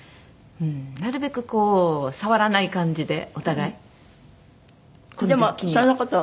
なるべくこう触らない感じでお互いこの病気には。